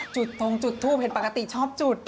ตรงจุดทูปเห็นปกติชอบจุด